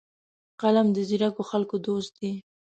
قلم د ځیرکو خلکو دوست دی